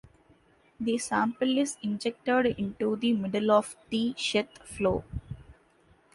The sample is injected into the middle of the sheath flow.